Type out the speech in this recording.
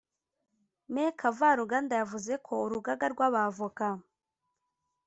Me Kavaruganda yavuze ko Urugaga rw’abavoka